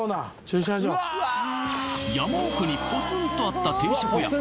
山奥にポツンとあった定食屋